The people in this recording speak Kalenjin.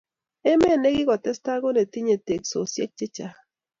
Emet ne kikotestai ko netinye teksosiek che chang